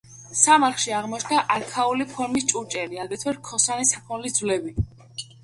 სამარხში აღმოჩნდა არქაული ფორმის ჭურჭელი, აგრეთვე რქოსანი საქონლის ძვლები.